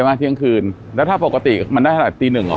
มาเที่ยงคืนแล้วถ้าปกติมันได้เท่าไหร่ตีหนึ่งหรอ